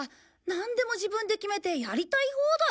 なんでも自分で決めてやりたい放題！